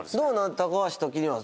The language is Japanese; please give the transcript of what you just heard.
高橋的には。